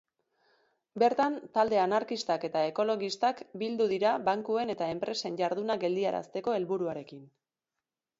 Bertan talde anarkistak eta ekologistak bildu dira bankuen eta enpresen jarduna geldiarazteko helburuarekin.